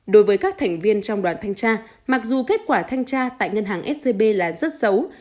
đối với các thành viên trong đoàn thanh tra mặc dù kết quả thanh tra tại ngân hàng scb là rất xấu